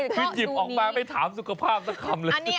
คือหยิบออกมาไม่ถามสุขภาพสักคำเลย